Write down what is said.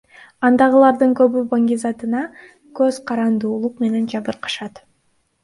Андагылардын көбү баңгизатына көз карандуулук менен жабыркашат.